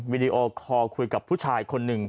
วิดีโอคอร์คุยกับผู้ชายคนหนึ่ง